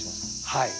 はい。